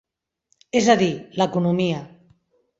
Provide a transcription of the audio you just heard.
És a dir: l'economia.